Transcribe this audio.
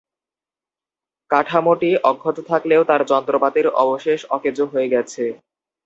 কাঠামোটি অক্ষত থাকলেও তার যন্ত্রপাতির অবশেষ অকেজো হয়ে গেছে।